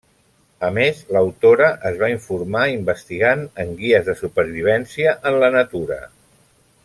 A més, l'autora es va informar investigant en guies de supervivència en la natura.